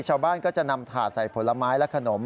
ชาวบ้านก็จะนำถาดใส่ผลไม้และขนม